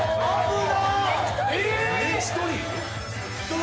１人。